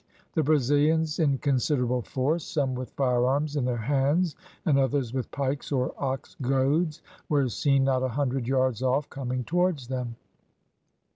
The Brazilians in considerable force, some with firearms in their hands and others with pikes or ox goads, were seen not a hundred yards off, coming towards them.